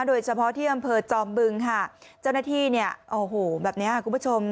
โดยเฉพาะที่อำเภอจอมบึงค่ะเจ้าหน้าที่เนี่ยโอ้โหแบบเนี้ยคุณผู้ชม